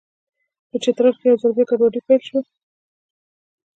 په چترال کې یو ځل بیا ګډوډي پیل شوه.